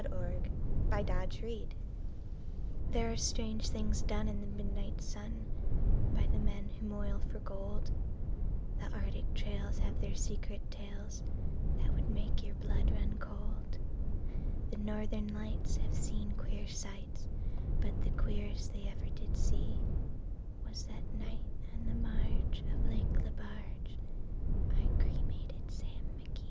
The Cremation of Sam Mcgee There are strange things done in the midnight sun By the men who moil for gold; The Arctic trails have their secret tales That would make your blood run cold; The Northern Lights have seen queer sights, But the queerest they ever did see Was that night on the marge of Lake Lebarge I cremated Sam McGee.